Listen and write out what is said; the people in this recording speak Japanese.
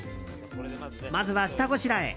まずは下ごしらえ。